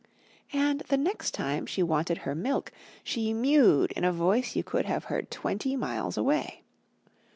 And the next time she wanted her milk, she mewed in a voice you could have heard twenty miles away.